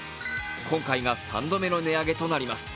今回が３度目の値上げとなります。